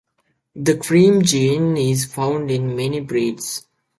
The cream gene is found in many breeds.